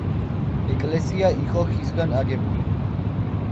ეკლესია იყო ხისგან აგებული.